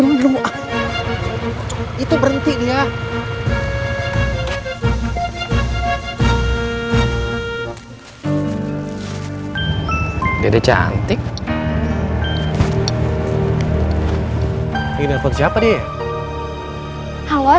sampai jumpa lagi